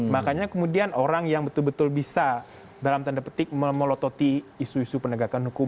makanya kemudian orang yang betul betul bisa dalam tanda petik memolototi isu isu penegakan hukum